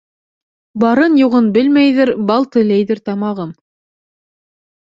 Барын-юғын белмәйҙер, бал теләйҙер тамағым.